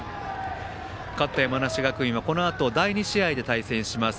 勝った山梨学院はこのあと、第２試合で対戦します